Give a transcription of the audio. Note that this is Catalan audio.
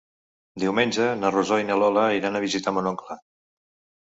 Diumenge na Rosó i na Lola iran a visitar mon oncle.